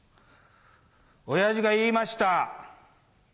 親父が言いました。